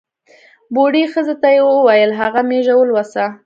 بوډۍ ښځې ته یې ووېل هغه مېږه ولوسه.